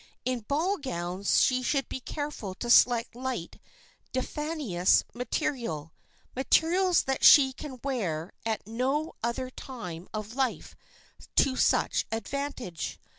In ball gowns she should be careful to select light, diaphanous materials,—materials that she can wear at no other time of life to such advantage.